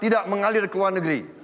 tidak mengalir ke luar negeri